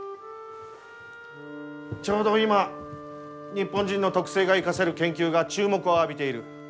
ちょうど今日本人の特性が生かせる研究が注目を浴びている。